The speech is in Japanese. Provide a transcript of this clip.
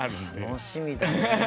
楽しみだね。